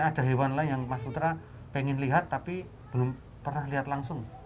ada hewan lain yang mas putra pengen lihat tapi belum pernah lihat langsung